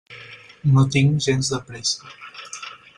No tinc gens de pressa.